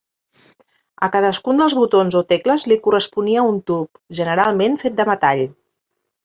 A cadascun dels botons o tecles li corresponia un tub, generalment, fet de metall.